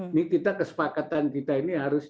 ini kita kesepakatan kita ini harus